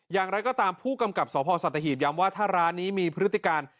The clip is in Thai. อย่างไรก็ตามผู้กำกับสพสัตหีบย้ำว่าถ้าร้านนี้มีพฤติการ